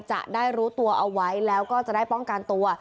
จะได้รู้ตัวเอาไว้แล้วก็จะได้ป้องกันตัว